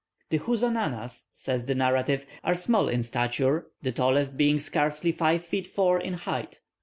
"The Houzonanas," says the narrative, "are small in stature, the tallest being scarcely five feet four in height.